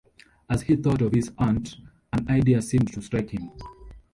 As he thought of his aunt, an idea seemed to strike him.